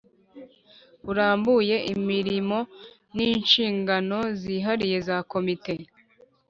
burambuye imirimo n inshingano zihariye za Committee